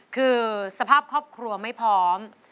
คือสภาพครอบครัวไม่พร้อม